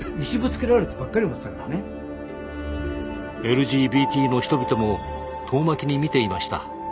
ＬＧＢＴの人々も遠巻きに見ていました。